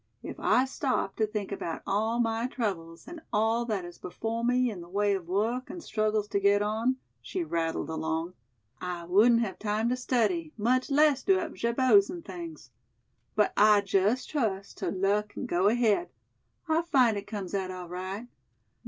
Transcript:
If I stopped to think about all my troubles and all that is before me in the way of work and struggles to get on," she rattled along, "I wouldn't have time to study, much less do up jabots and things. But I just trust to luck and go ahead. I find it comes out all right.